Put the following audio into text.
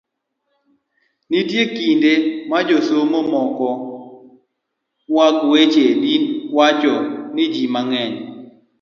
Nitie kinde ma josomo moko mag weche din ne wacho ni ji mang'eny